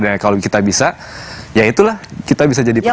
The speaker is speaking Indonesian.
dan kalau kita bisa ya itulah kita bisa jadi pemenang